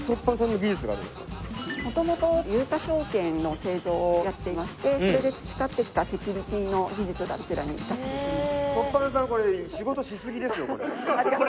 元々有価証券の製造をやっていましてそれで培ってきたセキュリティの技術がこちらに生かされています。